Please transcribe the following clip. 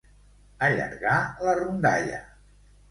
Allargar la rondalla.